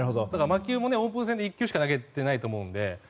だから魔球もオープン戦で１球しか投げてないと思うので。